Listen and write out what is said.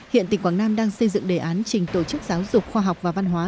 hiện tỉnh quảng nam đang xây dựng đề án trình tổ chức giáo dục khoa học và văn hóa